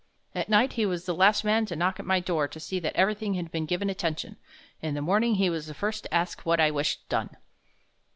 At night he was the last man to knock at my door to see that everything had been given attention; in the morning he was the first to ask what I wished done.